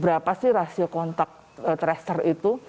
berapa sih rasio kontak tracer itu berapa sih rasio kontak tracer itu